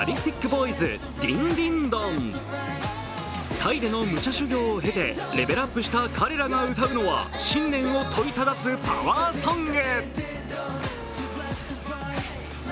タイでの武者修行を経てレベルアップした彼らが歌うのは信念を問いただすパワーソング。